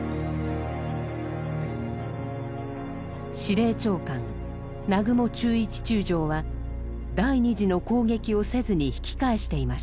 司令長官南雲忠一中将は第２次の攻撃をせずに引き返していました。